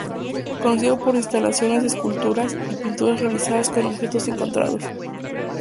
Conocido por sus instalaciones, esculturas y pinturas realizadas con objetos encontrados.